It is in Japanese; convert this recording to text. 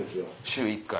週１回。